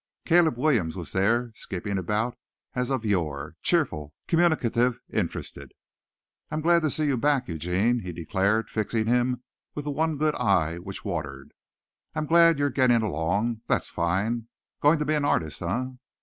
Caleb Williams was there, skipping about as of yore, cheerful, communicative, interested. "I'm glad to see you back, Eugene," he declared, fixing him with the one good eye which watered. "I'm glad you're getting along that's fine. Going to be an artist, eh?